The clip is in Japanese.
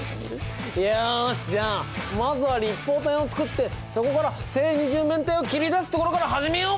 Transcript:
よしじゃあまずは立方体を作ってそこから正二十面体を切り出すところから始めよう！